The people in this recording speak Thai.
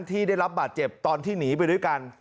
ที่ได้รับบาดเจ็บตอนที่หนีไปด้วยกัน